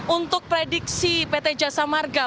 untuk prediksi pt jasa marga